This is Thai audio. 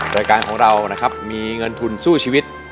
รายการของเรานะครับมีเงินทุนสู้ชีวิต